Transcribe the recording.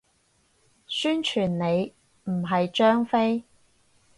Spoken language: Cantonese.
宣傳你，唔係張飛